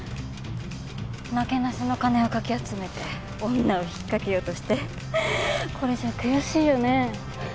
なけなしの金をかき集めて女を引っかけようとしてこれじゃあ悔しいよねえ。